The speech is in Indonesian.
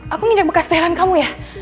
aku nginjak bekas pelan kamu ya